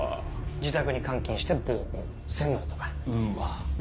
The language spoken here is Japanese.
自宅に監禁して暴行洗脳とか？